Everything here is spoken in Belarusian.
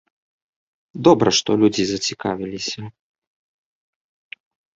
Добра, што людзі зацікавіліся.